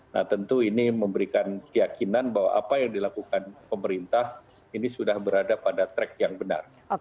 nah tentu ini memberikan keyakinan bahwa apa yang dilakukan pemerintah ini sudah berada pada track yang benar